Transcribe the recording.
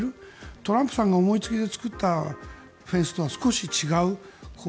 トランプさんが思い付きで作ったフェンスとは少し違う。